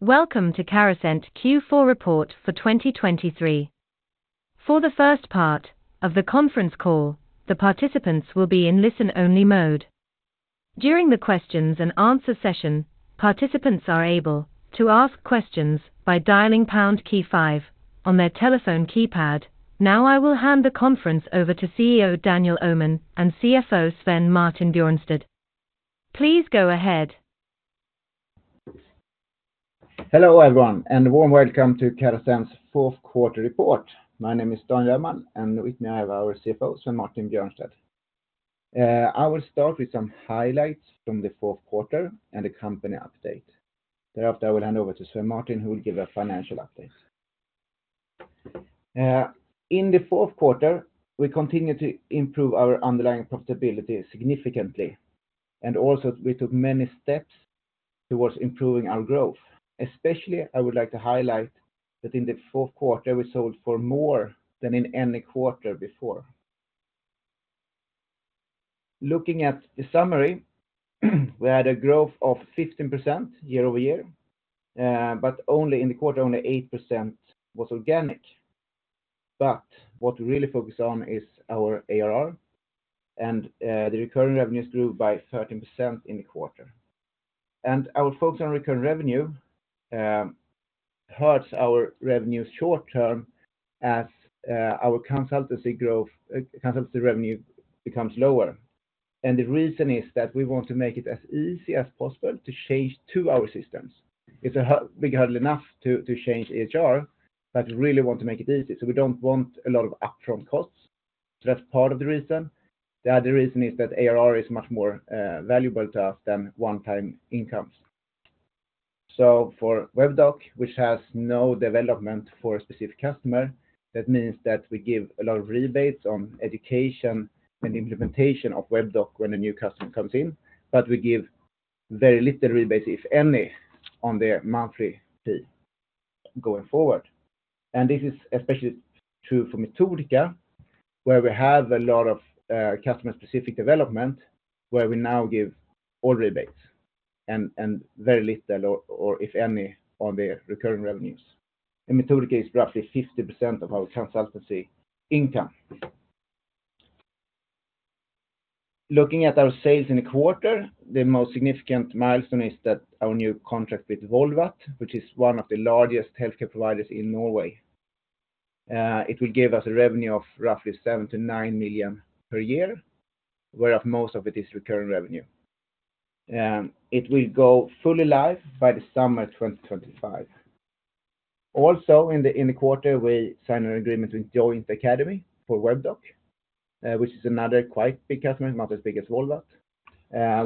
Welcome to Carasent Q4 Report for 2023. For the first part of the conference call, the participants will be in listen-only mode. During the questions and answer session, participants are able to ask questions by dialing pound key five on their telephone keypad. Now, I will hand the conference over to CEO Daniel Öhman and CFO Svein Martin Bjørnstad. Please go ahead. Hello, everyone, and a warm welcome to Carasent's fourth quarter report. My name is Daniel Öhman, and with me, I have our CFO, Svein Martin Bjørnstad. I will start with some highlights from the fourth quarter and the company update. Thereafter, I will hand over to Svein Martin, who will give a financial update. In the fourth quarter, we continued to improve our underlying profitability significantly, and also, we took many steps towards improving our growth. Especially, I would like to highlight that in the fourth quarter, we sold for more than in any quarter before. Looking at the summary, we had a growth of 15% year-over-year, but only in the quarter, only 8% was organic. But what we really focus on is our ARR, and, the recurring revenues grew by 13% in the quarter. Our focus on recurring revenue hurts our revenue short term as our consultancy growth, consultancy revenue becomes lower. The reason is that we want to make it as easy as possible to change to our systems. It's a big hurdle enough to change HR, but we really want to make it easy, so we don't want a lot of upfront costs. So that's part of the reason. The other reason is that ARR is much more valuable to us than one-time incomes. So for Webdoc, which has no development for a specific customer, that means that we give a lot of rebates on education and implementation of Webdoc when a new customer comes in, but we give very little rebates, if any, on their monthly fee going forward. And this is especially true for Metodika, where we have a lot of customer-specific development, where we now give all rebates and very little, or if any, on their recurring revenues. And Metodika is roughly 50% of our consultancy income. Looking at our sales in a quarter, the most significant milestone is that our new contract with Volvat, which is one of the largest healthcare providers in Norway, it will give us a revenue of roughly 7 million to 9 million per year, whereof most of it is recurring revenue. It will go fully live by the summer 2025. Also, in the quarter, we signed an agreement with Joint Academy for Webdoc, which is another quite big customer, not as big as Volvat,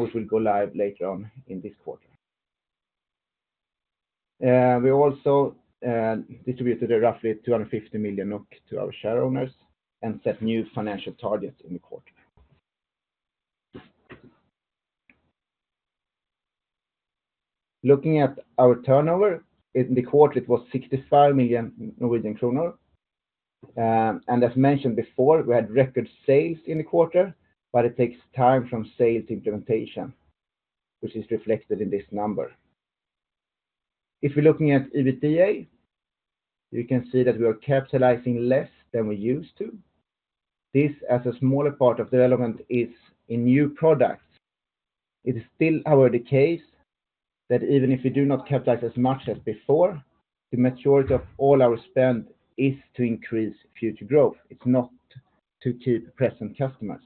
which will go live later on in this quarter. We also distributed a roughly 250 million NOK to our shareowners and set new financial targets in the quarter. Looking at our turnover, in the quarter, it was 65 million Norwegian kroner. And as mentioned before, we had record sales in the quarter, but it takes time from sale to implementation, which is reflected in this number. If we're looking at EBITDA, you can see that we are capitalizing less than we used to. This, as a smaller part of development, is a new product. It is still, however, the case that even if you do not capitalize as much as before, the majority of all our spend is to increase future growth. It's not to keep present customers.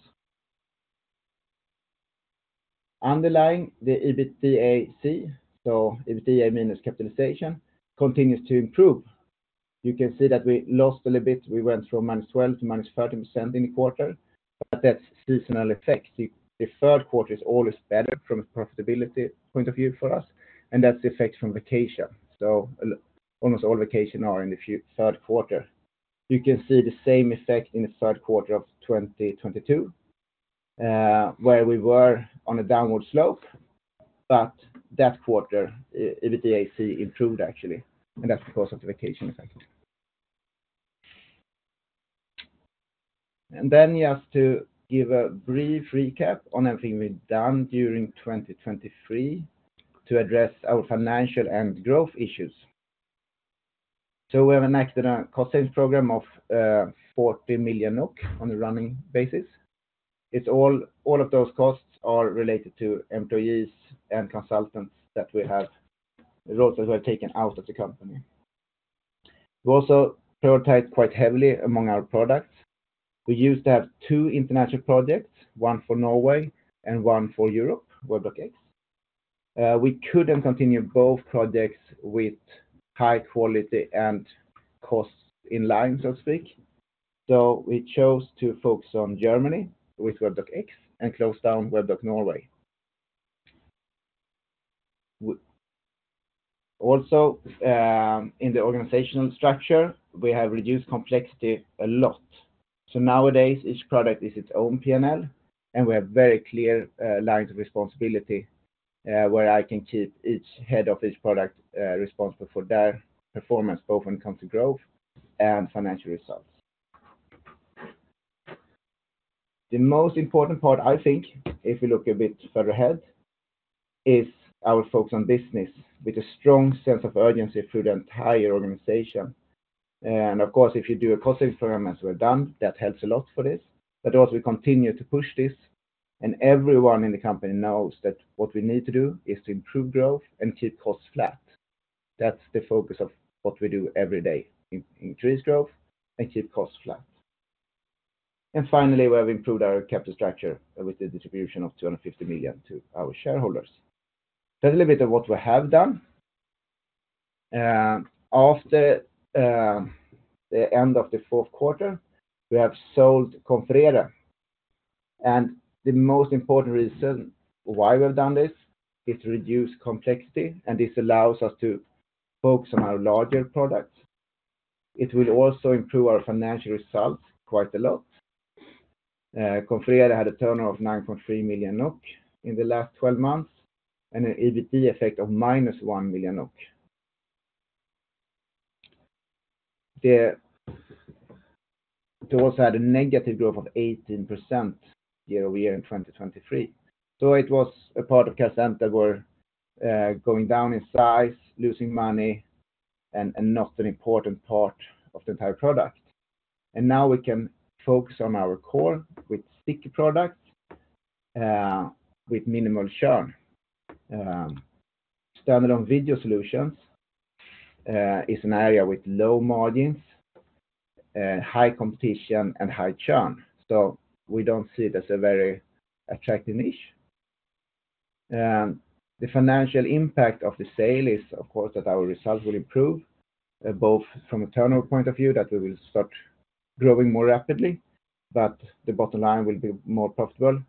Underlying the EBITDAC, so EBITDA minus capitalization, continues to improve. You can see that we lost a little bit. We went from -12% to -13% in the quarter, but that's seasonal effect. The third quarter is always better from a profitability point of view for us, and that's the effect from vacation. So almost all vacation are in the third quarter. You can see the same effect in the third quarter of 2022, where we were on a downward slope, but that quarter, EBITDAC improved, actually, and that's because of the vacation effect. And then you have to give a brief recap on everything we've done during 2023 to address our financial and growth issues. So we have enacted a cost-savings program of 40 million NOK on a running basis. It's all of those costs are related to employees and consultants that we have, roles that we have taken out of the company. We also prioritized quite heavily among our products. We used to have two international projects, one for Norway and one for Europe, Webdoc X. We couldn't continue both projects with high quality and costs in line, so to speak. So we chose to focus on Germany with Webdoc X and close down Webdoc Norway. Also, in the organizational structure, we have reduced complexity a lot. So nowadays, each product is its own P&L, and we have very clear lines of responsibility, where I can keep each head of each product responsible for their performance, both when it comes to growth and financial results. The most important part, I think, if we look a bit further ahead, is our focus on business with a strong sense of urgency through the entire organization. And of course, if you do a cost program as we've done, that helps a lot for this. But also we continue to push this, and everyone in the company knows that what we need to do is to improve growth and keep costs flat. That's the focus of what we do every day, increase growth and keep costs flat. And finally, we have improved our capital structure with the distribution of 250 million to our shareholders. That's a little bit of what we have done. After the end of the fourth quarter, we have sold Confrere, and the most important reason why we've done this is to reduce complexity, and this allows us to focus on our larger products. It will also improve our financial results quite a lot. Confrere had a turnover of 9.3 million NOK in the last twelve months, and an EBT effect of -1 million NOK. They also had a negative growth of 18% year-over-year in 2023. So it was a part of Carasent that were going down in size, losing money, and not an important part of the entire product. And now we can focus on our core with sticky products with minimal churn. Standalone video solutions is an area with low margins, high competition, and high churn, so we don't see it as a very attractive niche. The financial impact of the sale is, of course, that our results will improve both from a turnover point of view, that we will start growing more rapidly, but the bottom line will be more profitable.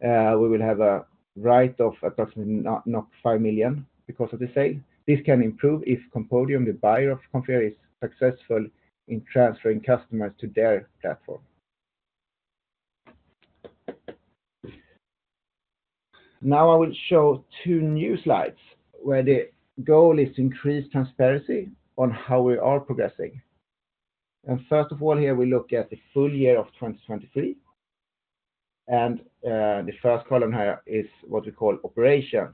We will have a write-off approximately 5 million because of the sale. This can improve if Compodium, the buyer of Confrere, is successful in transferring customers to their platform. Now, I will show two new slides, where the goal is to increase transparency on how we are progressing. First of all, here, we look at the full year of 2023, and the first column here is what we call operations.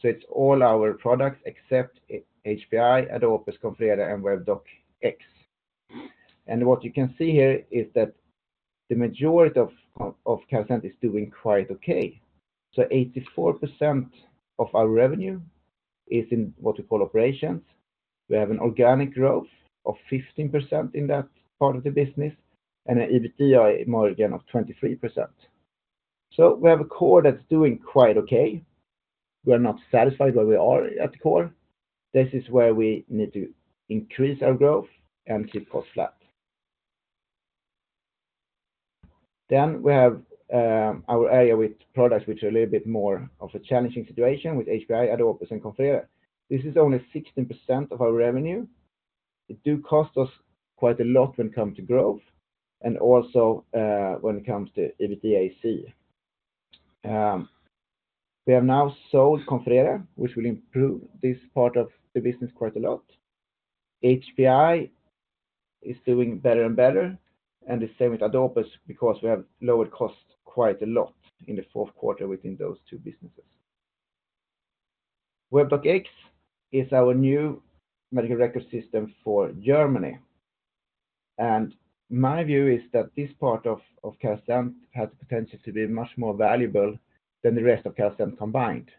So it's all our products except HPI, Ad Opus, Confrere, and Webdoc X. And what you can see here is that the majority of Carasent is doing quite okay. So 84% of our revenue is in what we call operations. We have an organic growth of 15% in that part of the business, and an EBITDA margin of 23%. So we have a core that's doing quite okay. We are not satisfied where we are at the core. This is where we need to increase our growth and keep costs flat. Then we have our area with products, which are a little bit more of a challenging situation with HPI, Ad Opus, and Confrere. This is only 16% of our revenue. It does cost us quite a lot when it comes to growth and also when it comes to EBITDAC. We have now sold Confrere, which will improve this part of the business quite a lot. HPI is doing better and better, and the same with Ad Opus, because we have lowered costs quite a lot in the fourth quarter within those two businesses. Webdoc X is our new medical record system for Germany, and my view is that this part of Carasent has the potential to be much more valuable than the rest of Carasent combined.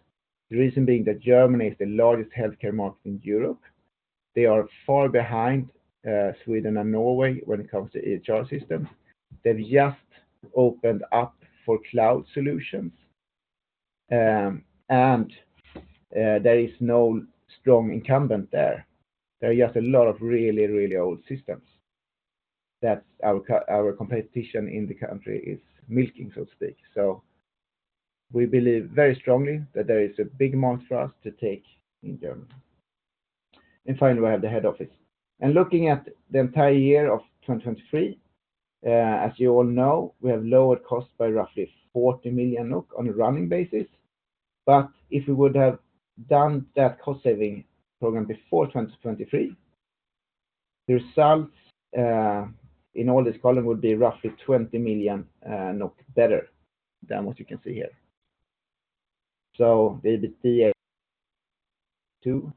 The reason being that Germany is the largest healthcare market in Europe. They are far behind Sweden and Norway when it comes to EHR systems. They've just opened up for cloud solutions and there is no strong incumbent there. There are just a lot of really, really old systems. That's our competition in the country is milking, so to speak. So we believe very strongly that there is a big amount for us to take in Germany. And finally, we have the head office. And looking at the entire year of 2023, as you all know, we have lowered costs by roughly 40 million NOK on a running basis. But if we would have done that cost-saving program before 2023, the results in all this column would be roughly 20 million better than what you can see here. So the EBITDA too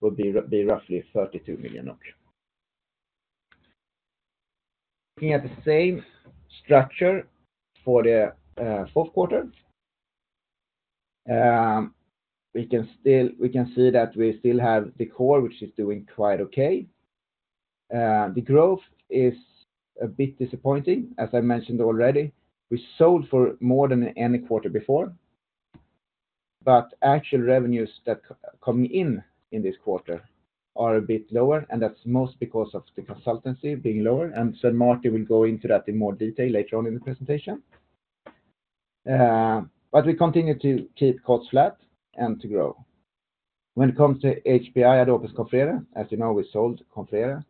would be roughly NOK 32 million. Looking at the same structure for the fourth quarter, we can see that we still have the core, which is doing quite okay. The growth is a bit disappointing, as I mentioned already. We sold for more than any quarter before, but actual revenues that coming in in this quarter are a bit lower, and that's mostly because of the consultancy being lower, and Svein Martin will go into that in more detail later on in the presentation. But we continue to keep costs flat and to grow. When it comes to HPI, Ad Opus, Confrere, as you know, we sold Confrere.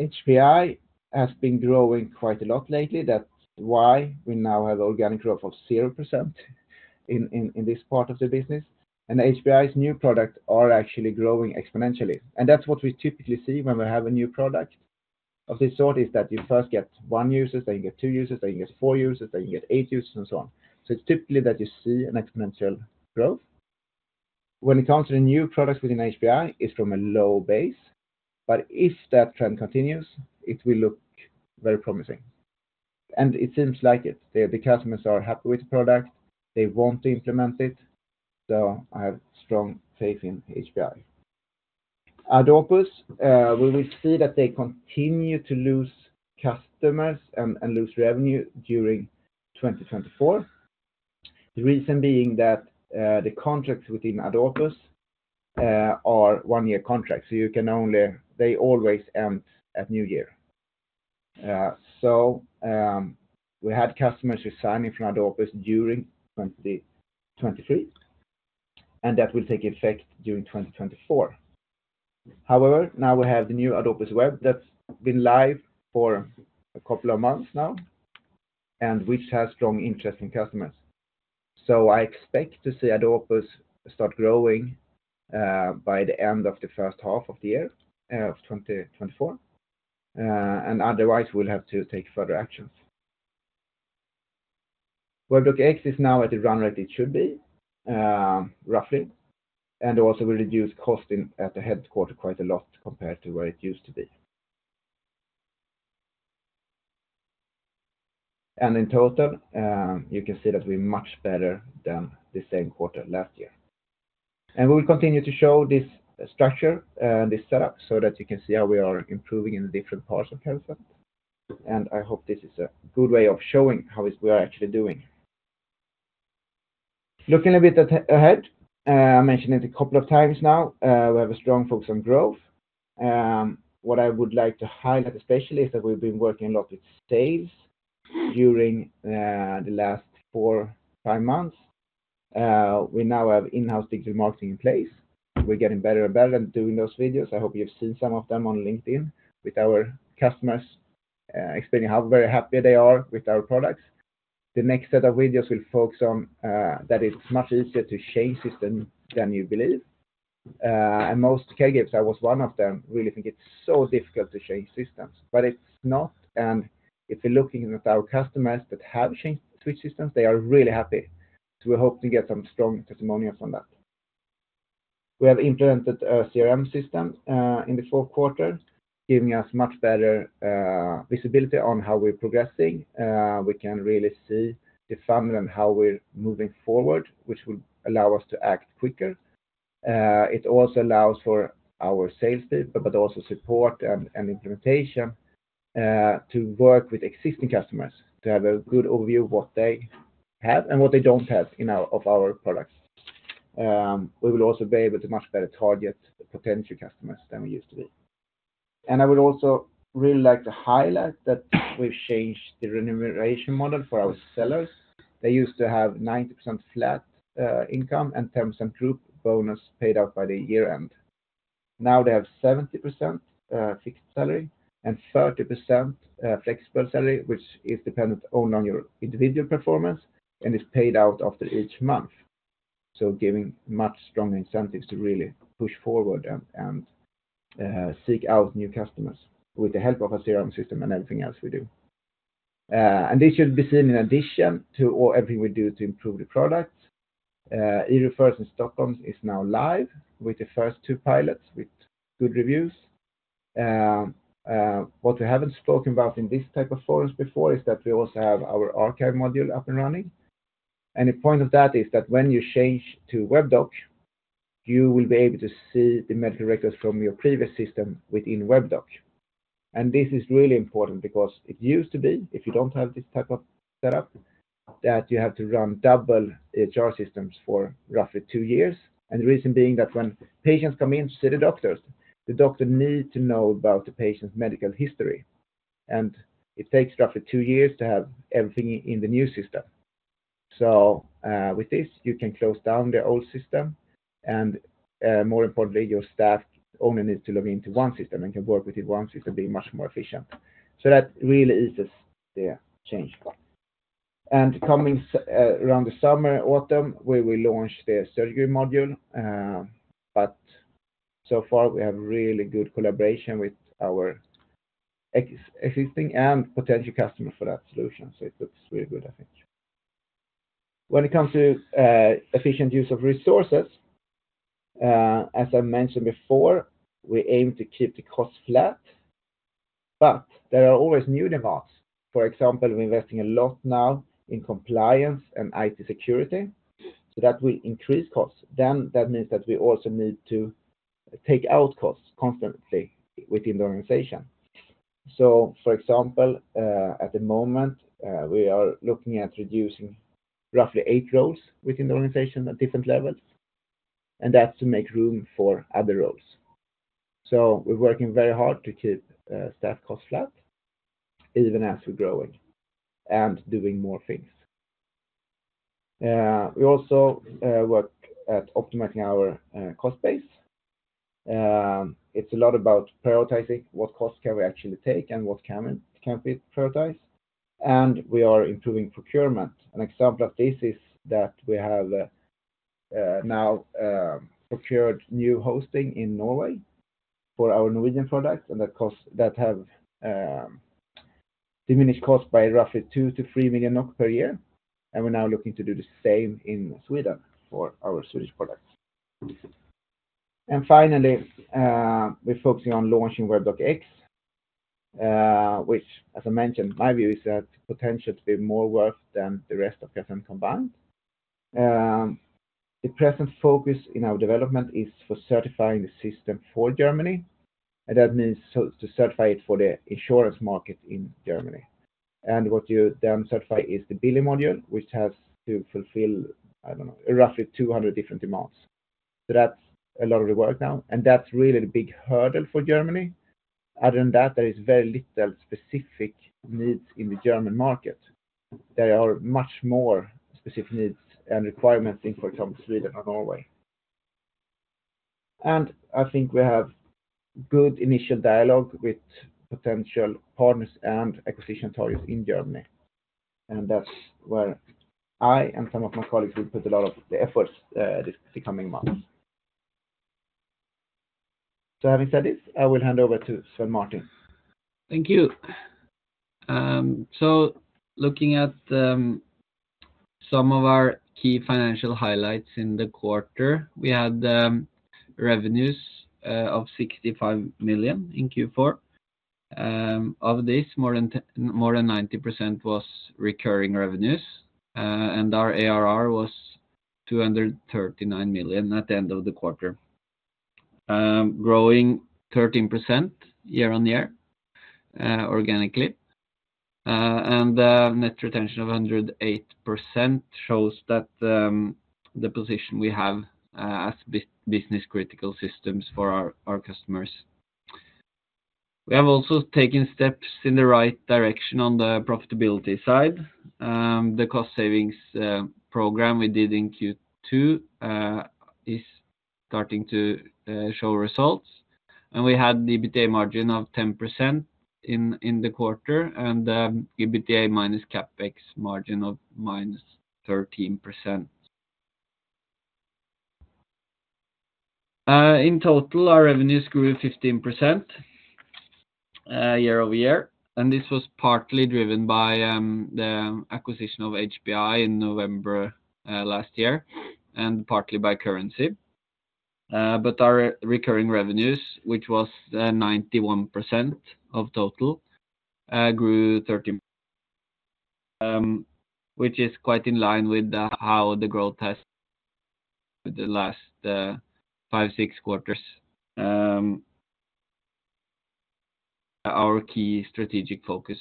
HPI has been growing quite a lot lately. That's why we now have organic growth of 0%. In this part of the business, and HPI's new product are actually growing exponentially. And that's what we typically see when we have a new product of this sort, is that you first get one user, then you get two users, then you get four users, then you get eight users, and so on. So it's typically that you see an exponential growth. When it comes to the new products within HPI, it's from a low base, but if that trend continues, it will look very promising. And it seems like it. The customers are happy with the product. They want to implement it, so I have strong faith in HPI. Ad Opus, we will see that they continue to lose customers and lose revenue during 2024. The reason being that, the contracts within Ad Opus are one-year contracts, they always end at New Year. We had customers who signed from Ad Opus during 2023, and that will take effect during 2024. However, now we have the new Ad Opus Web that's been live for a couple of months now, and which has strong interest in customers. So I expect to see Ad Opus start growing by the end of the first half of the year of 2024, and otherwise, we'll have to take further actions. Well, Webdoc X is now at the run rate it should be, roughly, and also will reduce cost in at the headquarters quite a lot compared to where it used to be. And in total, you can see that we're much better than the same quarter last year. We will continue to show this structure, this setup, so that you can see how we are improving in the different parts of Carasent. I hope this is a good way of showing how we are actually doing. Looking a bit ahead, I mentioned it a couple of times now, we have a strong focus on growth. What I would like to highlight, especially, is that we've been working a lot with sales during the last four to five months. We now have in-house digital marketing in place. We're getting better and better at doing those videos. I hope you've seen some of them on LinkedIn with our customers explaining how very happy they are with our products. The next set of videos will focus on that it's much easier to change system than you believe. Most caregivers, I was one of them, really think it's so difficult to change systems, but it's not, and if you're looking at our customers that have changed, switched systems, they are really happy. So we hope to get some strong testimonials on that. We have implemented a CRM system in the fourth quarter, giving us much better visibility on how we're progressing. We can really see the funnel and how we're moving forward, which will allow us to act quicker. It also allows for our sales people, but also support and implementation, to work with existing customers, to have a good overview of what they have and what they don't have of our products. We will also be able to much better target potential customers than we used to be. And I would also really like to highlight that we've changed the remuneration model for our sellers. They used to have 90% flat income and 10% group bonus paid out by the year-end. Now, they have 70% fixed salary and 30% flexible salary, which is dependent only on your individual performance and is paid out after each month. So giving much stronger incentives to really push forward and seek out new customers with the help of a CRM system and everything else we do. And this should be seen in addition to all everything we do to improve the product. e-referrals in Stockholm is now live with the first two pilots with good reviews. What we haven't spoken about in this type of forums before is that we also have our archive module up and running. And the point of that is that when you change to Webdoc, you will be able to see the medical records from your previous system within Webdoc. And this is really important because it used to be, if you don't have this type of setup, that you have to run double EHR systems for roughly two years. And the reason being that when patients come in to see the doctors, the doctor need to know about the patient's medical history, and it takes roughly two years to have everything in the new system. So, with this, you can close down the old system, and, more importantly, your staff only needs to log into one system and can work with it in one system, being much more efficient. So that really eases the change part. Coming around the summer, autumn, we will launch the surgery module, but so far we have really good collaboration with our existing and potential customers for that solution, so it looks really good, I think. When it comes to efficient use of resources, as I mentioned before, we aim to keep the cost flat, but there are always new demands. For example, we're investing a lot now in compliance and IT security, so that will increase costs. Then, that means that we also need to take out costs constantly within the organization. So for example, at the moment, we are looking at reducing roughly eight roles within the organization at different levels, and that's to make room for other roles. So we're working very hard to keep staff costs flat, even as we're growing and doing more things. We also work at optimizing our cost base. It's a lot about prioritizing what costs can we actually take and what can, can't be prioritized, and we are improving procurement. An example of this is that we have now procured new hosting in Norway for our Norwegian products, and that cost, that have diminished cost by roughly 2-3 million NOK per year, and we're now looking to do the same in Sweden for our Swedish products. And finally, we're focusing on launching Webdoc X, which, as I mentioned, my view is that potential to be more worth than the rest of them combined. The present focus in our development is for certifying the system for Germany, and that means so to certify it for the insurance market in Germany. And what you then certify is the billing module, which has to fulfill, I don't know, roughly 200 different demands. So that's a lot of the work now, and that's really the big hurdle for Germany. Other than that, there is very little specific needs in the German market. There are much more specific needs and requirements in, for example, Sweden and Norway. And I think we have good initial dialogue with potential partners and acquisition targets in Germany, and that's where I and some of my colleagues will put a lot of the efforts, the coming months. So having said this, I will hand over to Svein Martin. Thank you. So looking at some of our key financial highlights in the quarter, we had revenues of 65 million in Q4. Of this, more than 90% was recurring revenues, and our ARR was 239 million at the end of the quarter, growing 13% year-on-year organically, and a net retention of 108% shows that the position we have as business critical systems for our customers. We have also taken steps in the right direction on the profitability side. The cost savings program we did in Q2 is starting to show results, and we had an EBITDA margin of 10% in the quarter, and EBITDA minus CapEx margin of -13%. In total, our revenues grew 15% year-over-year, and this was partly driven by the acquisition of HPI in November last year, and partly by currency. But our recurring revenues, which was 91% of total, grew 13%, which is quite in line with how the growth has the last 5-6 quarters. Our key strategic focus,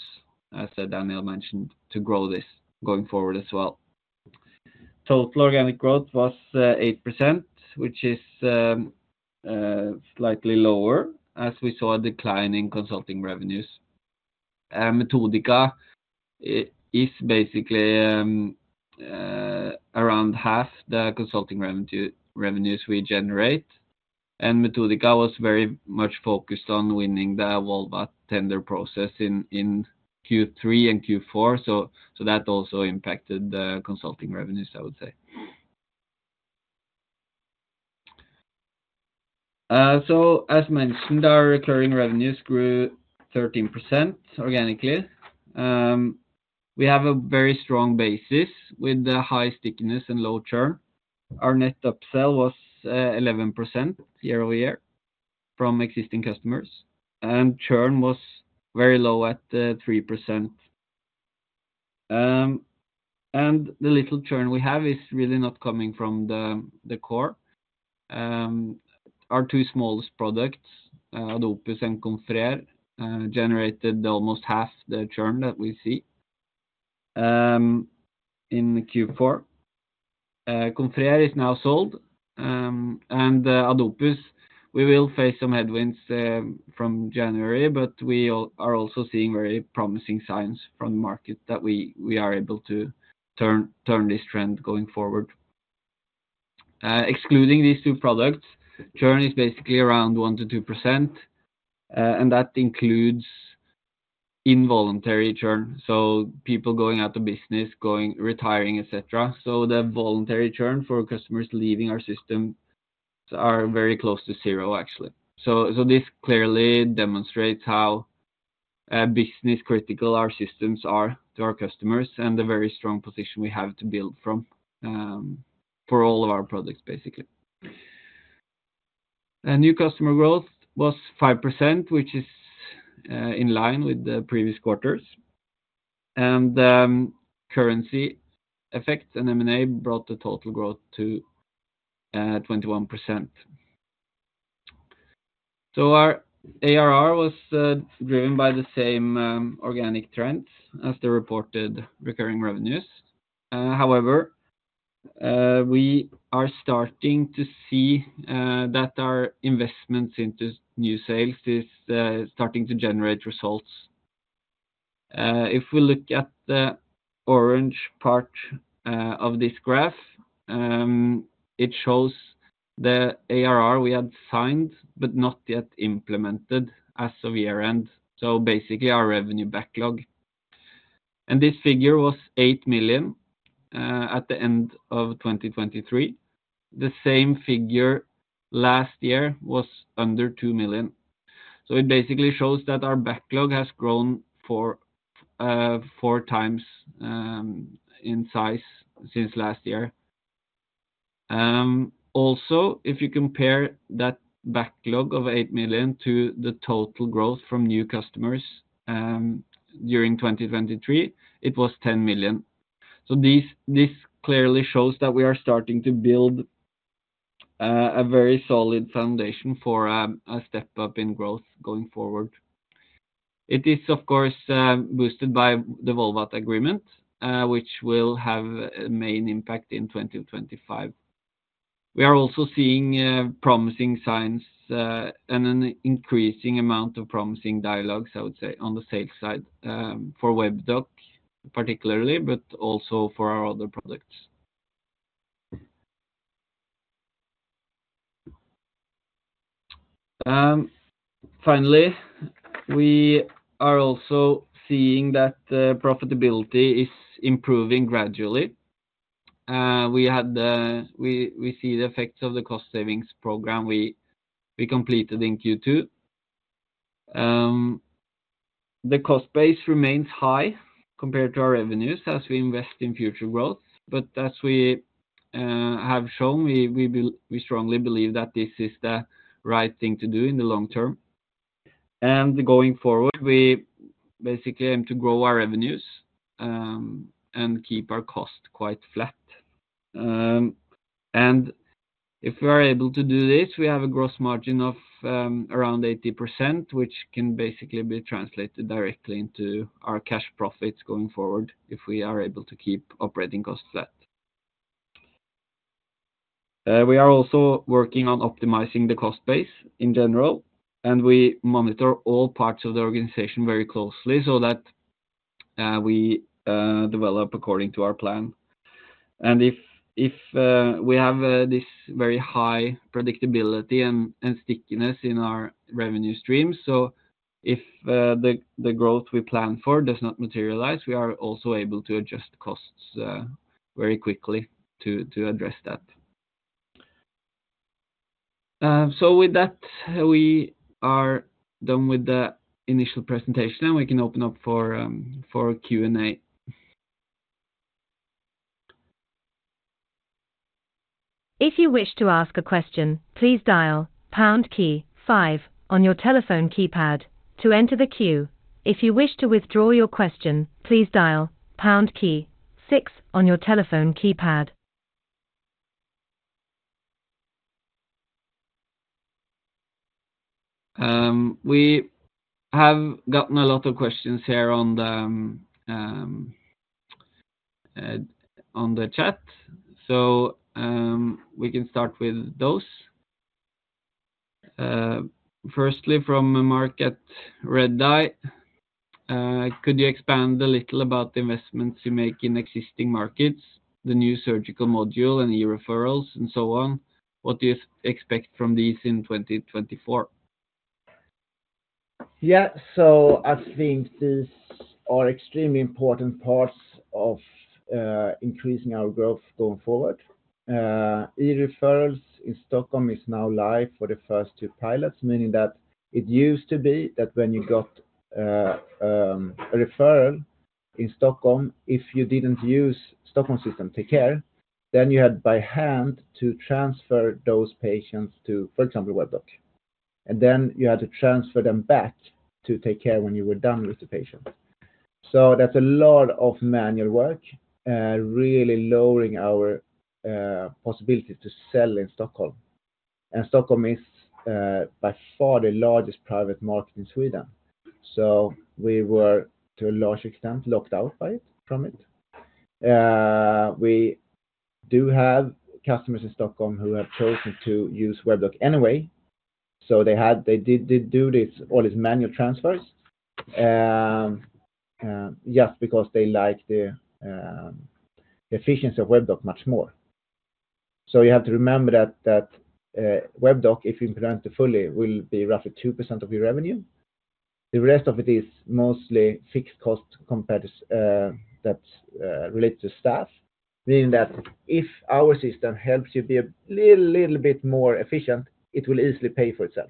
as Daniel mentioned, to grow this going forward as well. Total organic growth was 8%, which is slightly lower, as we saw a decline in consulting revenues. Metodika is basically around half the consulting revenue, revenues we generate, and Metodika was very much focused on winning the Volvat tender process in Q3 and Q4, so that also impacted the consulting revenues, I would say. So as mentioned, our recurring revenues grew 13% organically. We have a very strong basis with the high stickiness and low churn. Our net upsell was 11% year-over-year from existing customers, and churn was very low at 3%. And the little churn we have is really not coming from the core. Our two smallest products, Ad Opus and Confrere, generated almost half the churn that we see in the Q4. Confrere is now sold, and Ad Opus, we will face some headwinds from January, but we all are also seeing very promising signs from the market that we are able to turn this trend going forward. Excluding these two products, churn is basically around 1% to 2%, and that includes involuntary churn, so people going out of business, going, retiring, et cetera. So the voluntary churn for customers leaving our system are very close to zero, actually. So this clearly demonstrates how business-critical our systems are to our customers and the very strong position we have to build from, for all of our products, basically. A new customer growth was 5%, which is in line with the previous quarters, and currency effects and M&A brought the total growth to 21%. So our ARR was driven by the same organic trends as the reported recurring revenues. However, we are starting to see that our investments into new sales is starting to generate results... If we look at the orange part of this graph, it shows the ARR we had signed, but not yet implemented as of year-end, so basically our revenue backlog. This figure was 8 million at the end of 2023. The same figure last year was under 2 million. So it basically shows that our backlog has grown four times in size since last year. Also, if you compare that backlog of 8 million to the total growth from new customers during 2023, it was 10 million. So this clearly shows that we are starting to build a very solid foundation for a step-up in growth going forward. It is, of course, boosted by the Volvat agreement, which will have a main impact in 2025. We are also seeing promising signs and an increasing amount of promising dialogues, I would say, on the sales side, for Webdoc particularly, but also for our other products. Finally, we are also seeing that the profitability is improving gradually. We see the effects of the cost savings program we completed in Q2. The cost base remains high compared to our revenues as we invest in future growth, but as we have shown, we strongly believe that this is the right thing to do in the long term. Going forward, we basically aim to grow our revenues and keep our cost quite flat. And if we are able to do this, we have a gross margin of around 80%, which can basically be translated directly into our cash profits going forward, if we are able to keep operating costs flat. We are also working on optimizing the cost base in general, and we monitor all parts of the organization very closely so that we develop according to our plan. And if we have this very high predictability and stickiness in our revenue stream, so if the growth we plan for does not materialize, we are also able to adjust costs very quickly to address that. So with that, we are done with the initial presentation, and we can open up for Q&A. If you wish to ask a question, please dial pound key five on your telephone keypad to enter the queue. If you wish to withdraw your question, please dial pound key six on your telephone keypad. We have gotten a lot of questions here on the chat, so we can start with those. Firstly, from Redeye, could you expand a little about the investments you make in existing markets, the new surgical module and e-referrals, and so on? What do you expect from these in 2024? Yeah, I think these are extremely important parts of increasing our growth going forward. e-referrals in Stockholm is now live for the first two pilots, meaning that it used to be that when you got a referral in Stockholm, if you didn't use Stockholm system TakeCare, then you had by hand to transfer those patients to, for example, Webdoc, and then you had to transfer them back to TakeCare when you were done with the patient. That's a lot of manual work, really lowering our possibility to sell in Stockholm. Stockholm is by far the largest private market in Sweden, so we were, to a large extent, locked out by it, from it. We do have customers in Stockholm who have chosen to use Webdoc anyway, so they did do this, all these manual transfers, just because they like the efficiency of Webdoc much more. So you have to remember that Webdoc, if implemented fully, will be roughly 2% of your revenue. The rest of it is mostly fixed cost compared to that's related to staff, meaning that if our system helps you be a little bit more efficient, it will easily pay for itself.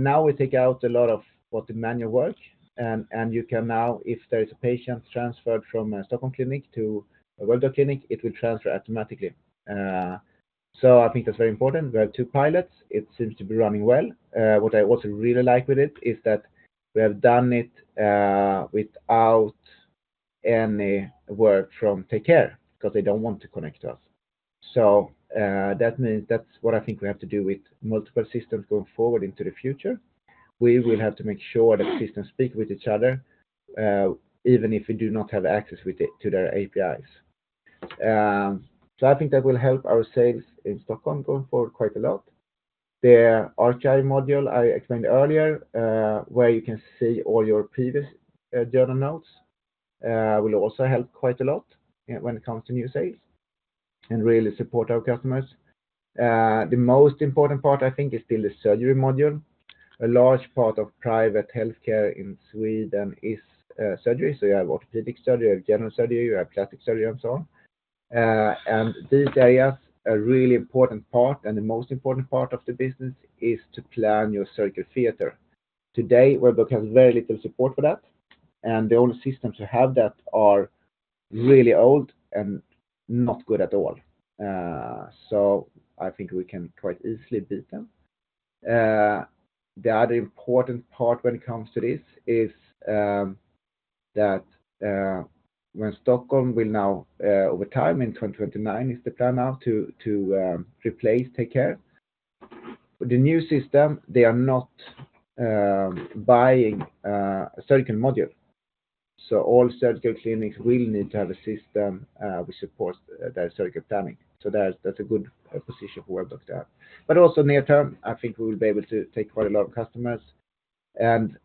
Now we take out a lot of what the manual work, and you can now, if there is a patient transferred from a Stockholm clinic to a Webdoc clinic, it will transfer automatically. So I think that's very important. We have two pilots. It seems to be running well. What I also really like with it is that we have done it without any work from TakeCare, because they don't want to connect to us. So, that means—that's what I think we have to do with multiple systems going forward into the future. We will have to make sure the systems speak with each other, even if we do not have access with it, to their APIs. So I think that will help our sales in Stockholm go for quite a lot. The archive module I explained earlier, where you can see all your previous journal notes, will also help quite a lot, when it comes to new sales and really support our customers. The most important part, I think, is still the surgery module. A large part of private healthcare in Sweden is surgery. So you have orthopedic surgery, you have general surgery, you have plastic surgery, and so on. And these areas, a really important part, and the most important part of the business, is to plan your surgical theater. Today, Webdoc has very little support for that, and the only systems you have that are really old and not good at all. So I think we can quite easily beat them. The other important part when it comes to this is that when Stockholm will now over time, in 2029, is the plan now to replace TakeCare. With the new system, they are not buying a surgical module, so all surgical clinics will need to have a system which supports their surgical planning. So that's a good position for Webdoc there. But also near term, I think we will be able to take quite a lot of customers, and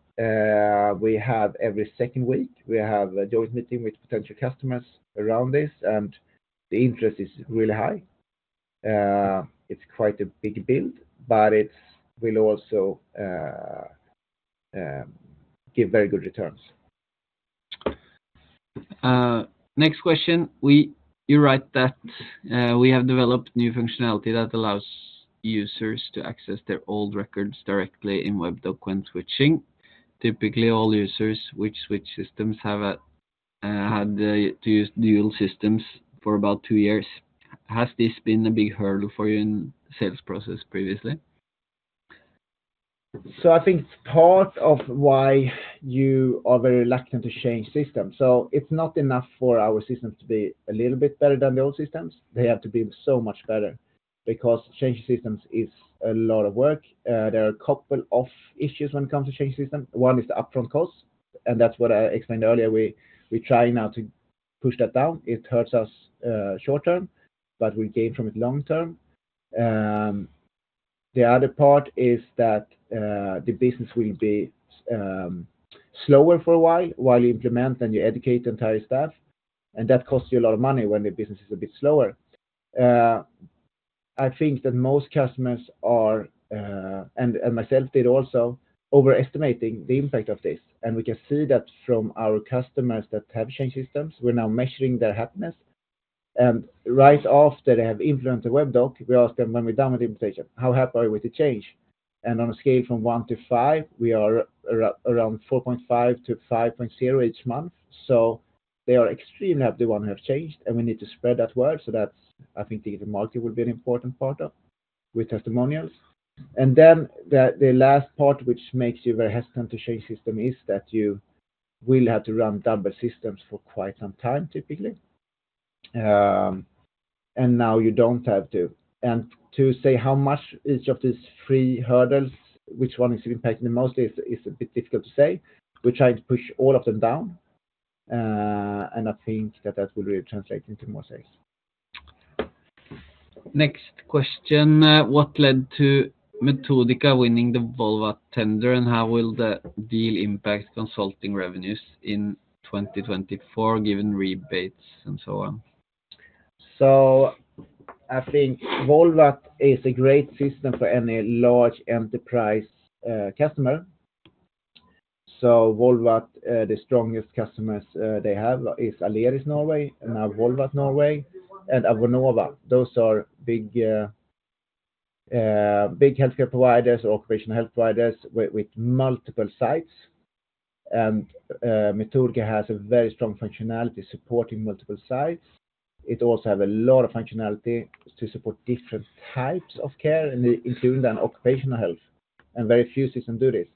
we have every second week, we have a joint meeting with potential customers around this, and the interest is really high. It's quite a big build, but it will also give very good returns. Next question. You write that we have developed new functionality that allows users to access their old records directly in Webdoc when switching. Typically, all users which switch systems have had to use dual systems for about two years. Has this been a big hurdle for you in sales process previously? So I think it's part of why you are very reluctant to change systems. So it's not enough for our systems to be a little bit better than the old systems. They have to be so much better because changing systems is a lot of work. There are a couple of issues when it comes to changing system. One is the upfront cost, and that's what I explained earlier. We try now to push that down. It hurts us short term, but we gain from it long term. The other part is that the business will be slower for a while, while you implement, then you educate the entire staff, and that costs you a lot of money when the business is a bit slower. I think that most customers are, and myself did also, overestimating the impact of this, and we can see that from our customers that have changed systems; we're now measuring their happiness. Right after they have implemented the Webdoc, we ask them when we're done with the implementation, how happy are you with the change? And on a scale from one to five, we are around 4.5-5.0 each month. So they are extremely happy with those who have changed, and we need to spread that word. So that's, I think, the marketing will be an important part with testimonials. And then the last part, which makes you very hesitant to change system, is that you will have to run double systems for quite some time, typically. And now you don't have to. To say how much each of these three hurdles, which one is impacting the most, is a bit difficult to say. We try to push all of them down, and I think that that will really translate into more sales. Next question. What led to Metodika winning the Volvat tender, and how will the deal impact consulting revenues in 2024, given rebates and so on? So I think Volvat is a great system for any large enterprise, customer. So Volvat, the strongest customers, they have is Aleris, Norway, now Volvat, Norway, and Avonova. Those are big, big healthcare providers, occupational health providers with multiple sites. And Metodika has a very strong functionality supporting multiple sites. It also have a lot of functionality to support different types of care, including the occupational health, and very few system do this.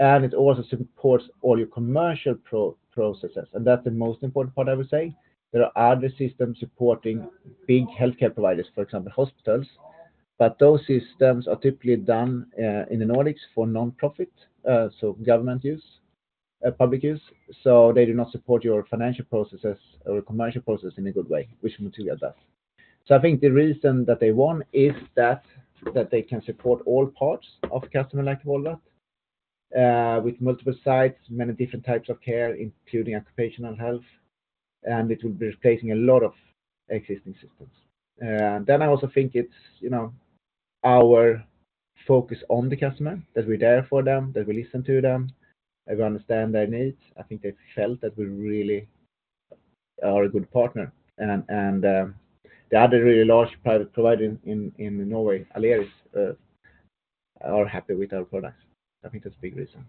And it also supports all your commercial processes, and that's the most important part, I would say. There are other systems supporting big healthcare providers, for example, hospitals, but those systems are typically done in the Nordics for nonprofit, so government use, public use, so they do not support your financial processes or commercial process in a good way, which Metodika does. I think the reason that they won is that they can support all parts of customer like Volvat with multiple sites, many different types of care, including occupational health, and it will be replacing a lot of existing systems. I also think it's, you know, our focus on the customer, that we're there for them, that we listen to them, and we understand their needs. I think they felt that we really are a good partner, and the other really large private provider in Norway, Aleris, are happy with our products. I think that's a big reason.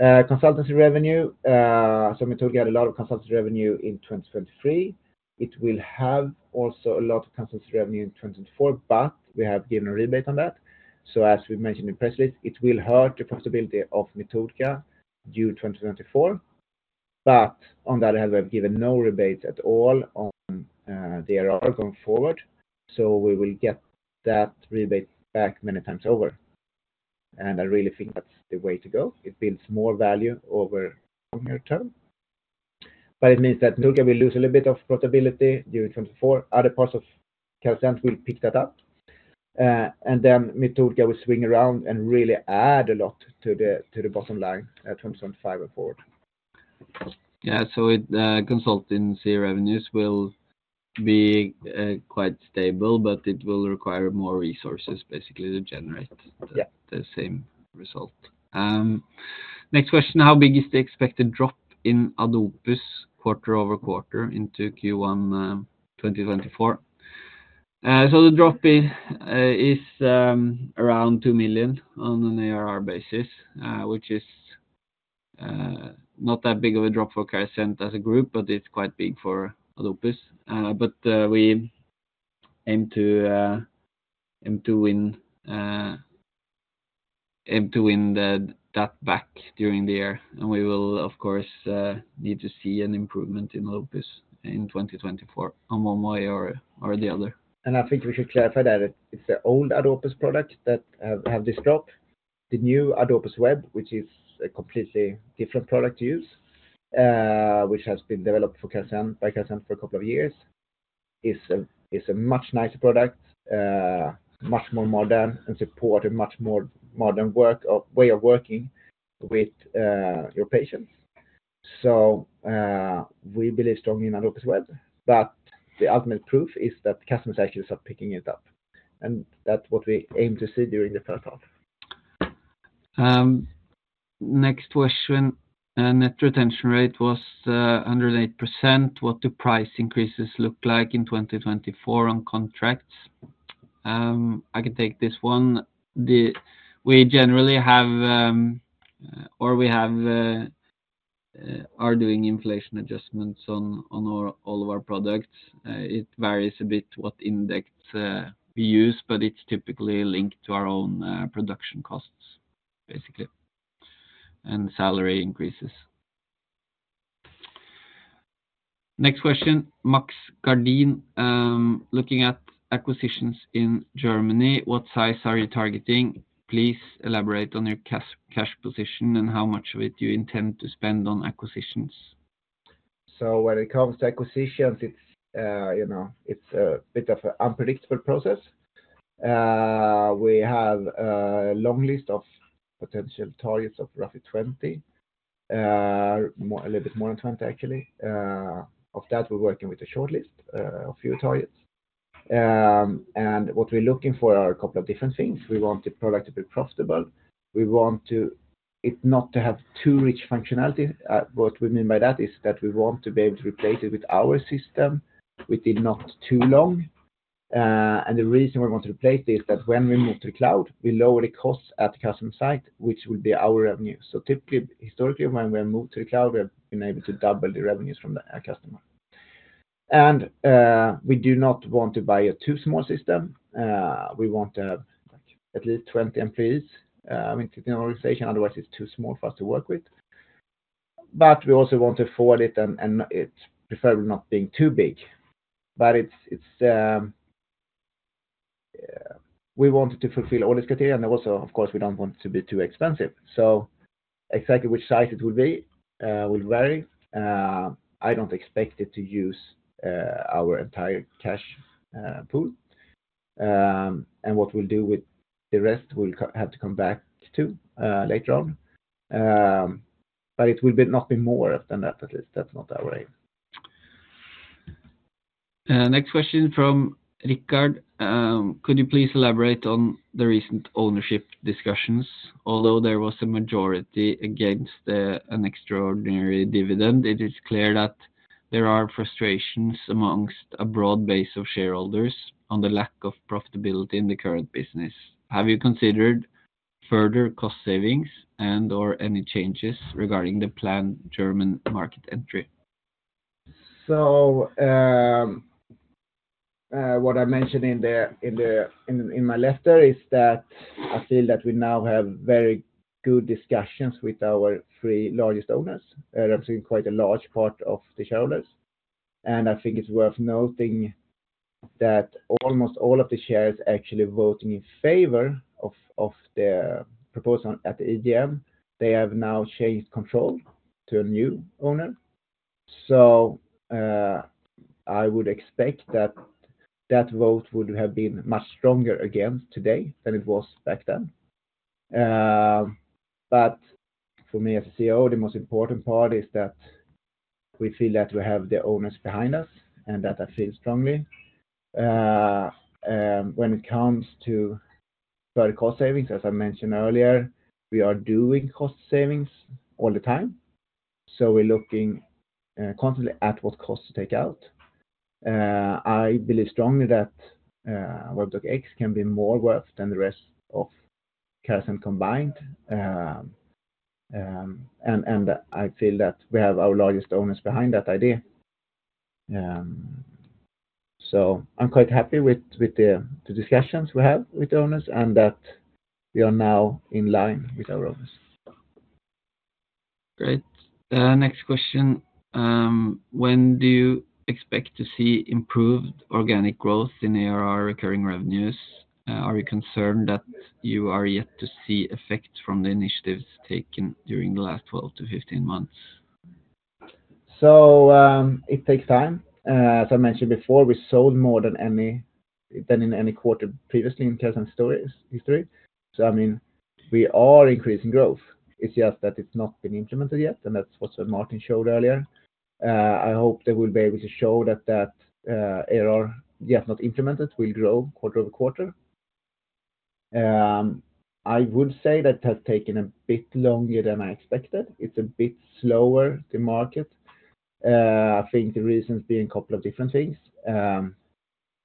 Consultancy revenue, so Metodika had a lot of consultancy revenue in 2023. It will have also a lot of consultancy revenue in 2024, but we have given a rebate on that. So as we mentioned in press release, it will hurt the profitability of Metodika due to 2024, but on that other hand, we have given no rebates at all on DRR going forward, so we will get that rebate back many times over, and I really think that's the way to go. It builds more value over longer term, but it means that Metodika will lose a little bit of profitability during 2024. Other parts of Carasent will pick that up, and then Metodika will swing around and really add a lot to the bottom line at 2025 and forward. Yeah, so consultancy revenues will be quite stable, but it will require more resources basically to generate-Yeah-the same result. Next question: How big is the expected drop in Ad Opus quarter-over-quarter into Q1 2024? So the drop is around 2 million on an ARR basis, which is not that big of a drop for Carasent as a group, but it's quite big for Ad Opus. But we aim to win that back during the year, and we will, of course, need to see an improvement in Ad Opus in 2024, one way or the other. I think we should clarify that it, it's the old Ad Opus product that have this drop. The new Ad Opus Web, which is a completely different product to use, which has been developed by Carasent for a couple of years, is a much nicer product, much more modern and support a much more modern work or way of working with your patients. So, we believe strongly in Ad Opus Web, but the ultimate proof is that customers actually start picking it up, and that's what we aim to see during the first half. Next question. Net Retention Rate was 108%. What the price increases look like in 2024 on contracts? I can take this one. We generally have, or we have the, are doing inflation adjustments on all of our products. It varies a bit what index we use, but it's typically linked to our own production costs, basically, and salary increases. Next question, Max Gårdin: Looking at acquisitions in Germany, what size are you targeting? Please elaborate on your cash position and how much of it you intend to spend on acquisitions. So when it comes to acquisitions, it's, you know, it's a bit of an unpredictable process. We have a long list of potential targets of roughly 20, more, a little bit more than 20, actually. Of that, we're working with a shortlist of few targets. And what we're looking for are a couple of different things. We want the product to be profitable. We want to, it not to have too rich functionality. What we mean by that is that we want to be able to replace it with our system, within not too long. And the reason we want to replace it is that when we move to the cloud, we lower the costs at the customer site, which will be our revenue. So typically, historically, when we move to the cloud, we have been able to double the revenues from the customer. And we do not want to buy a too small system. We want to have at least 20 employees, I mean, in organization, otherwise, it's too small for us to work with. But we also want to afford it, and it's preferably not being too big. But it's we want it to fulfill all these criteria, and also, of course, we don't want it to be too expensive. So exactly which size it will be will vary. I don't expect it to use our entire cash pool. And what we'll do with the rest, we'll have to come back to later on. But it will be nothing more than that, at least. That's not our way. Next question from Rickard. Could you please elaborate on the recent ownership discussions? Although there was a majority against an extraordinary dividend, it is clear that there are frustrations among a broad base of shareholders on the lack of profitability in the current business. Have you considered further cost savings and/or any changes regarding the planned German market entry? So, what I mentioned in my letter is that I feel that we now have very good discussions with our three largest owners, representing quite a large part of the shareholders. I think it's worth noting that almost all of the shares actually voting in favor of the proposal at the AGM, they have now changed control to a new owner. So, I would expect that that vote would have been much stronger again today than it was back then. But for me as a CEO, the most important part is that we feel that we have the owners behind us, and that I feel strongly. When it comes to further cost savings, as I mentioned earlier, we are doing cost savings all the time, so we're looking constantly at what costs to take out. I believe strongly that Webdoc X can be more worth than the rest of Carasent combined. I feel that we have our largest owners behind that idea. So I'm quite happy with the discussions we have with the owners and that we are now in line with our owners.... Great. Next question. When do you expect to see improved organic growth in ARR recurring revenues? Are you concerned that you are yet to see effects from the initiatives taken during the last 12-15 months? So, it takes time. As I mentioned before, we sold more than any, than in any quarter previously in Carasent history. So I mean, we are increasing growth. It's just that it's not been implemented yet, and that's what Martin showed earlier. I hope they will be able to show that, that, ARR, yet not implemented, will grow quarter-over-quarter. I would say that has taken a bit longer than I expected. It's a bit slower, the market. I think the reasons being a couple of different things.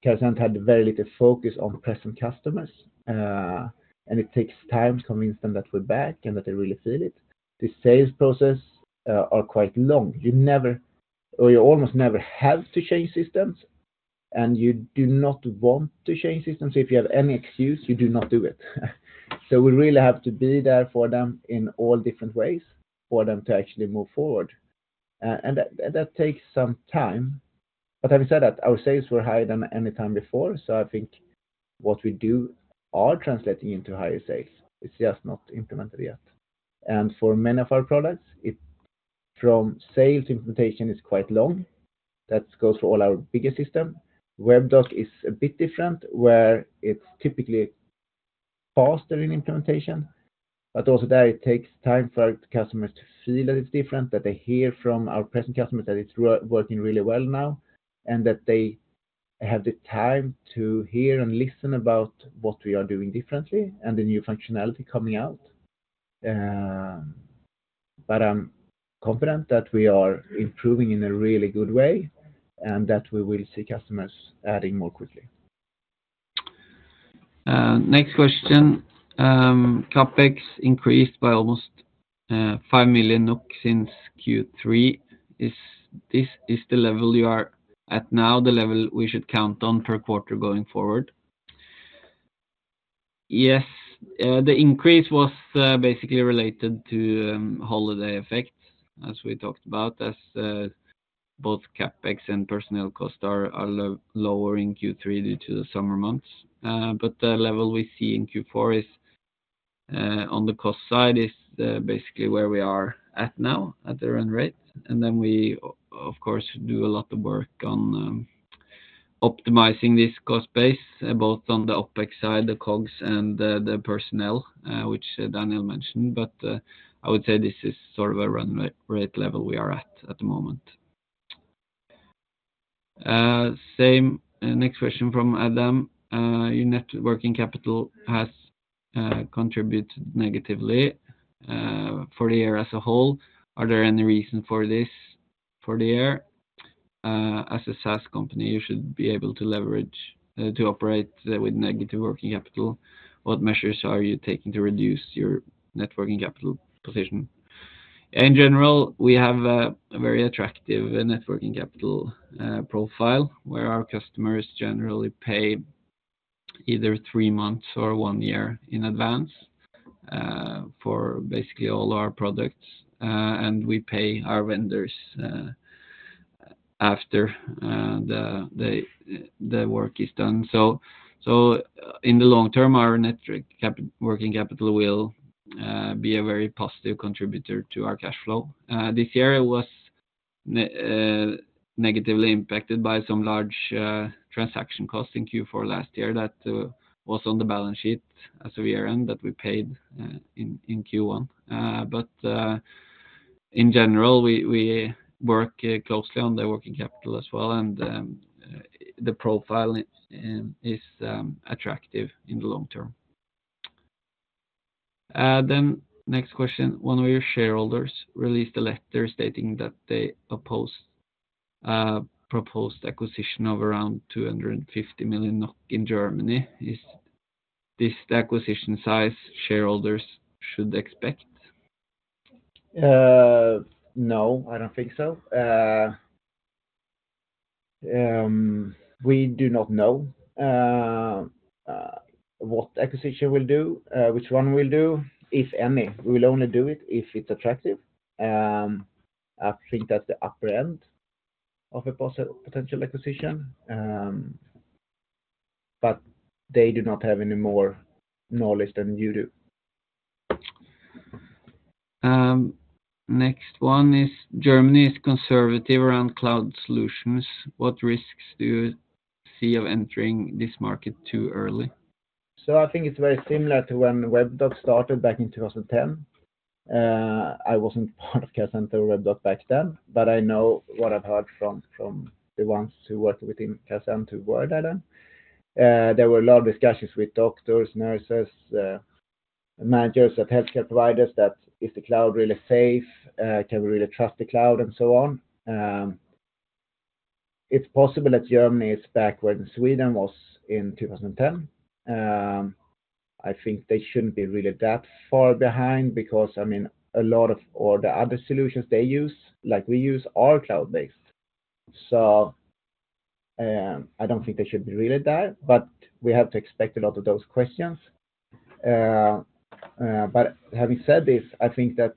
Carasent had very little focus on present customers, and it takes time to convince them that we're back and that they really feel it. The sales process are quite long. You never, or you almost never have to change systems, and you do not want to change systems. If you have any excuse, you do not do it. So we really have to be there for them in all different ways for them to actually move forward. And that takes some time. But having said that, our sales were higher than any time before, so I think what we do are translating into higher sales. It's just not implemented yet. And for many of our products, it, from sales, implementation is quite long. That goes for all our bigger system. Webdoc is a bit different, where it's typically faster in implementation, but also there, it takes time for customers to feel that it's different, that they hear from our present customers, that it's working really well now, and that they have the time to hear and listen about what we are doing differently and the new functionality coming out. But I'm confident that we are improving in a really good way and that we will see customers adding more quickly. Next question. CapEx increased by almost 5 million NOK since Q3. Is this, is the level you are at now, the level we should count on per quarter going forward? Yes, the increase was basically related to holiday effects, as we talked about, as both CapEx and personnel costs are lower in Q3 due to the summer months. But the level we see in Q4 is, on the cost side, is basically where we are at now at the run rate. And then we, of course, do a lot of work on optimizing this cost base, both on the OpEx side, the COGS, and the personnel, which Daniel mentioned. But I would say this is sort of a run rate rate level we are at, at the moment. Same, next question from Adam. Your net working capital has contributed negatively for the year as a whole. Are there any reason for this for the year? As a SaaS company, you should be able to leverage to operate with negative working capital. What measures are you taking to reduce your net working capital position? In general, we have a very attractive net working capital profile, where our customers generally pay either three months or one year in advance for basically all our products, and we pay our vendors after the work is done. So in the long term, our net working capital will be a very positive contributor to our cash flow. This year, it was negatively impacted by some large transaction costs in Q4 last year. That was on the balance sheet as a year-end that we paid in Q1. But in general, we work closely on the working capital as well, and the profile is attractive in the long term. Then next question. One of your shareholders released a letter stating that they oppose proposed acquisition of around 250 million in Germany. Is this the acquisition size shareholders should expect? No, I don't think so. We do not know what acquisition we'll do, which one we'll do, if any. We will only do it if it's attractive. I think that's the upper end of a potential acquisition, but they do not have any more knowledge than you do. Next one is, Germany is conservative around cloud solutions. What risks do you see of entering this market too early? So I think it's very similar to when Webdoc started back in 2010. I wasn't part of Carasent or Webdoc back then, but I know what I've heard from the ones who worked within Carasent who were there then. There were a lot of discussions with doctors, nurses, managers at healthcare providers that, is the cloud really safe? Can we really trust the cloud? And so on. It's possible that Germany is back where Sweden was in 2010. I think they shouldn't be really that far behind because, I mean, a lot of all the other solutions they use, like we use, are cloud-based. I don't think they should be really that, but we have to expect a lot of those questions. But having said this, I think that,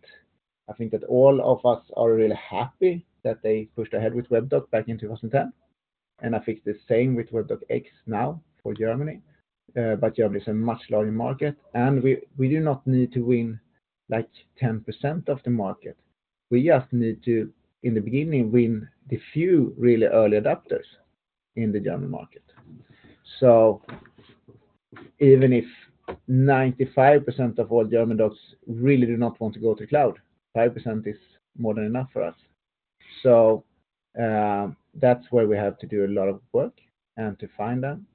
I think that all of us are really happy that they pushed ahead with Webdoc back in 2010, and I think the same with Webdoc X now for Germany. But Germany is a much larger market, and we, we do not need to win like 10% of the market. We just need to, in the beginning, win the few really early adopters in the German market. So even if 95% of all German docs really do not want to go to cloud, 5% is more than enough for us. So, that's where we have to do a lot of work and to find them.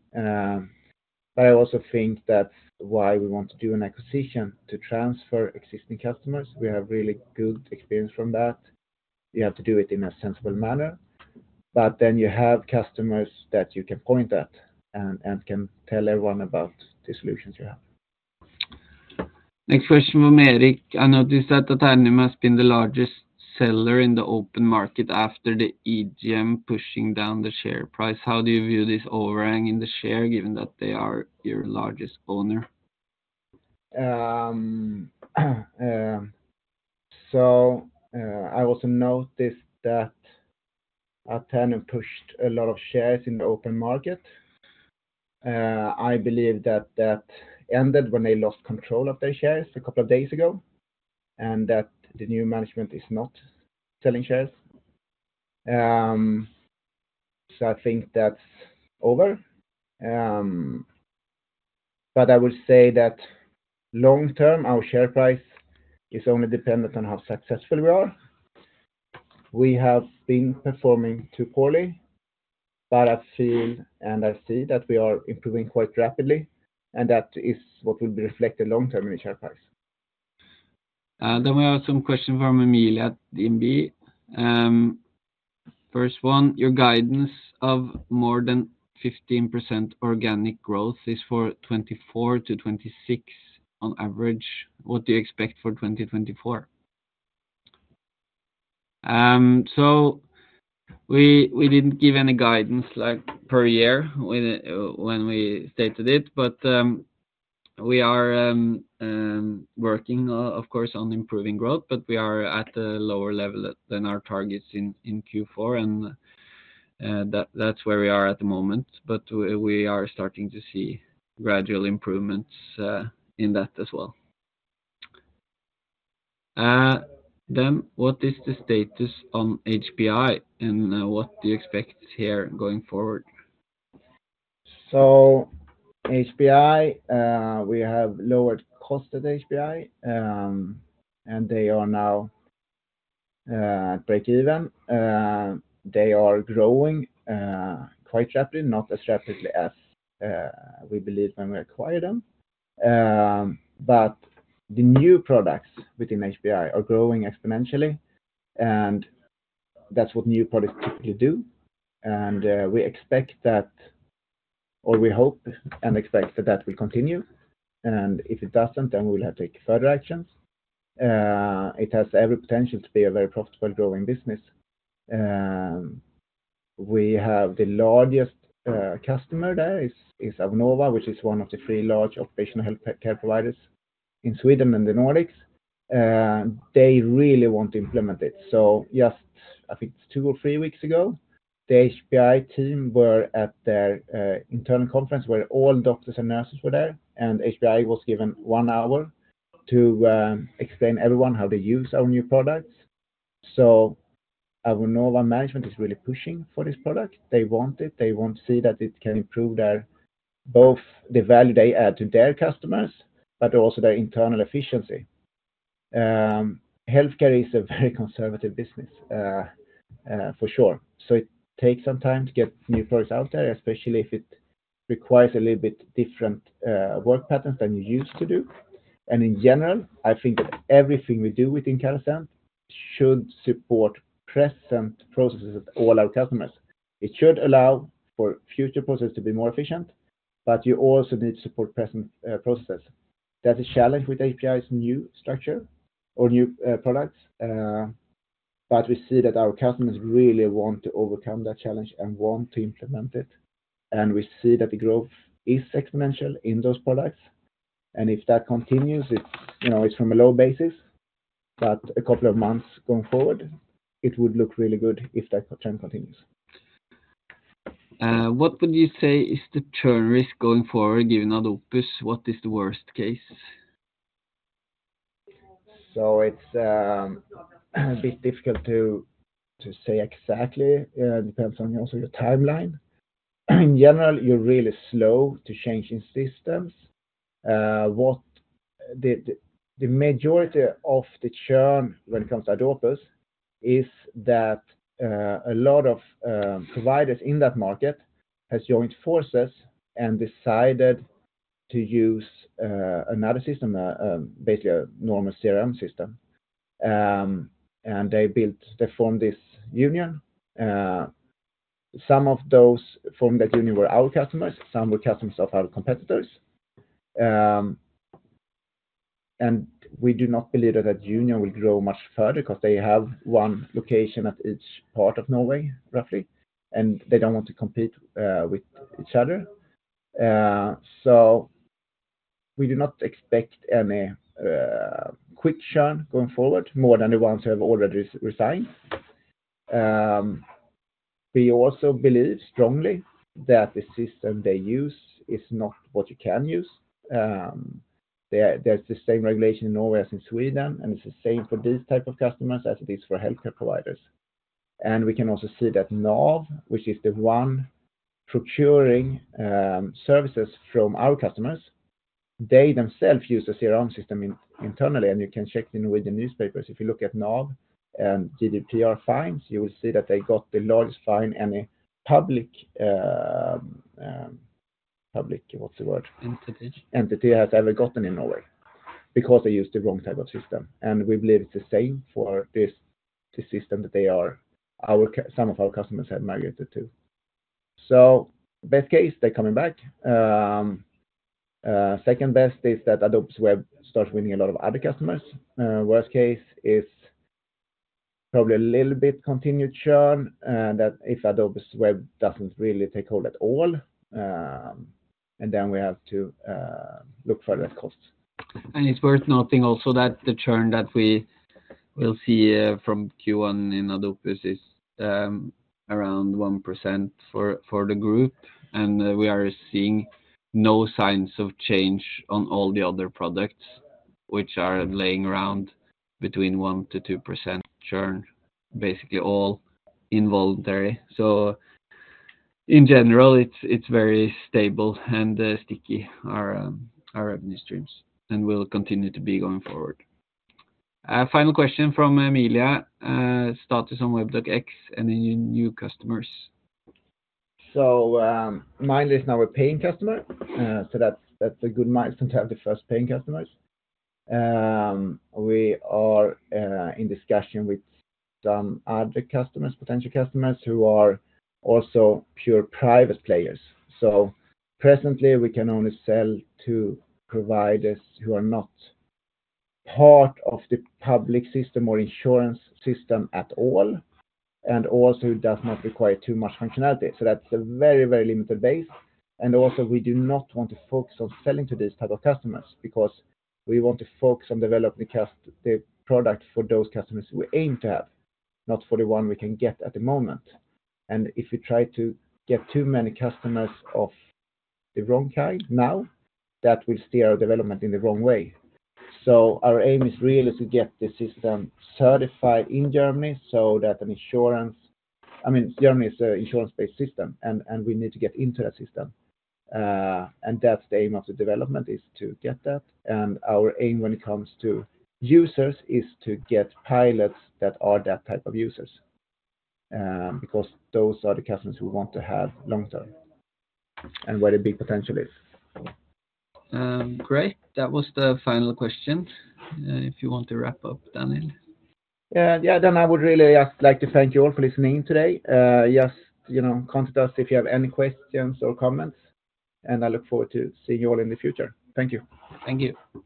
But I also think that's why we want to do an acquisition to transfer existing customers. We have really good experience from that. You have to do it in a sensible manner, but then you have customers that you can point at and can tell everyone about the solutions you have. Next question from Eric. I noticed that Aeternum has been the largest seller in the open market after the EGM, pushing down the share price. How do you view this overhang in the share, given that they are your largest owner? So, I also noticed that Aeternum pushed a lot of shares in the open market. I believe that that ended when they lost control of their shares a couple of days ago, and that the new management is not selling shares. So I think that's over. But I would say that long term, our share price is only dependent on how successful we are. We have been performing too poorly, but I feel, and I see that we are improving quite rapidly, and that is what will be reflected long term in the share price. Then we have some questions from Amelia at DNB. First one, your guidance of more than 15% organic growth is for 2024-2026 on average. What do you expect for 2024? So we didn't give any guidance, like, per year when we stated it, but we are working, of course, on improving growth, but we are at a lower level than our targets in Q4, and that's where we are at the moment. But we are starting to see gradual improvements in that as well. Then what is the status on HPI, and what do you expect here going forward? So HPI, we have lowered cost at HPI, and they are now at breakeven. They are growing quite rapidly, not as rapidly as we believe when we acquired them. But the new products within HPI are growing exponentially, and that's what new products typically do. And we expect that, or we hope and expect that that will continue, and if it doesn't, then we'll have to take further actions. It has every potential to be a very profitable growing business. We have the largest customer there is Avonova, which is one of the three large operational healthcare providers in Sweden and the Nordics, and they really want to implement it. So just, I think two or three weeks ago, the HPI team were at their, internal conference, where all doctors and nurses were there, and HPI was given one hour to, explain to everyone how to use our new products. So Avonova management is really pushing for this product. They want it, they want to see that it can improve their, both the value they add to their customers, but also their internal efficiency. Healthcare is a very conservative business, for sure. So it takes some time to get new products out there, especially if it requires a little bit different, work patterns than you used to do. And in general, I think that everything we do within Carasent should support present processes of all our customers. It should allow for future processes to be more efficient, but you also need to support present processes. That is a challenge with HPI's new structure or new products, but we see that our customers really want to overcome that challenge and want to implement it, and we see that the growth is exponential in those products. And if that continues, it's, you know, it's from a low basis, but a couple of months going forward, it would look really good if that trend continues. What would you say is the churn risk going forward, given Ad Opus? What is the worst case? So it's a bit difficult to say exactly. It depends on also your timeline. In general, you're really slow to changing systems. What the majority of the churn when it comes to Ad Opus is that a lot of providers in that market has joined forces and decided to use another system, basically a normal CRM system. And they formed this union, some of those from that union were our customers, some were customers of our competitors. And we do not believe that union will grow much further because they have one location at each part of Norway, roughly, and they don't want to compete with each other. So we do not expect any quick churn going forward, more than the ones who have already resigned. We also believe strongly that the system they use is not what you can use. There's the same regulation in Norway as in Sweden, and it's the same for these type of customers as it is for healthcare providers. And we can also see that NAV, which is the one procuring services from our customers, they themselves use a CRM system internally, and you can check in with the newspapers. If you look at NAV and GDPR fines, you will see that they got the largest fine any public public, what's the word? Entity. Entity has ever gotten in Norway because they use the wrong type of system, and we believe it's the same for this, the system that some of our customers have migrated to. So best case, they're coming back. Second best is that Ad Opus Web starts winning a lot of other customers. Worst case is probably a little bit continued churn, and that if Ad Opus Web doesn't really take hold at all, and then we have to look for other costs. It's worth noting also that the churn that we will see from Q1 in Ad Opus is around 1% for the group, and we are seeing no signs of change on all the other products, which are lying around between 1%-2% churn, basically all involuntary. In general, it's very stable and sticky, our revenue streams, and will continue to be going forward. Final question from Emilia, status on Webdoc X, any new customers? So, Mind is now a paying customer, so that's, that's a good milestone to have the first paying customers. We are in discussion with some other customers, potential customers, who are also pure private players. So presently, we can only sell to providers who are not part of the public system or insurance system at all, and also it does not require too much functionality. So that's a very, very limited base. And also, we do not want to focus on selling to these type of customers because we want to focus on developing the product for those customers we aim to have, not for the one we can get at the moment. And if we try to get too many customers of the wrong kind now, that will steer our development in the wrong way. So our aim is really to get the system certified in Germany so that an insurance, I mean, Germany is an insurance-based system, and we need to get into that system. And that's the aim of the development, is to get that. And our aim when it comes to users is to get pilots that are that type of users, because those are the customers we want to have long term and where the big potential is. Great. That was the final question, if you want to wrap up, Daniel. Yeah, then I would really just like to thank you all for listening today. Just, you know, contact us if you have any questions or comments, and I look forward to seeing you all in the future. Thank you. Thank you.